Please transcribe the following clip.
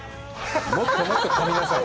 もっともっとかみなさい。